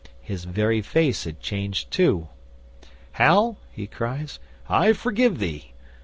His very face had changed too. '"Hal," he cries, "I forgive thee.